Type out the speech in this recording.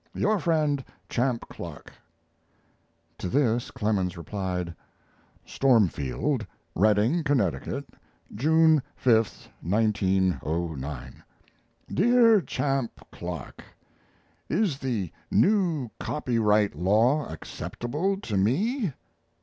Your friend, CHAMP CLARK. To this Clemens replied: STORMFIELD, REDDING, CONN, June 5, 1909. DEAR CHAMP CLARK, Is the new copyright law acceptable to me?